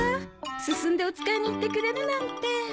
進んでおつかいに行ってくれるなんて。